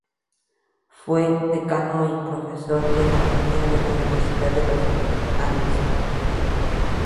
Fue decano y profesor de Economía de la Universidad de los Andes.